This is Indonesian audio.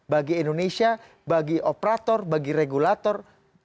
bagi indonesia bagi operator bagi regulator